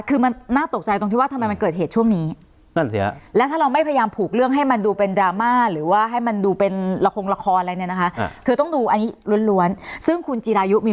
คือมันน่าตกใจตรงที่ว่าทำไมมันเกิดเหตุช่วงนี้